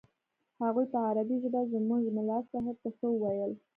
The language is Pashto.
هغوى په عربي ژبه زموږ ملا صاحب ته څه وويل.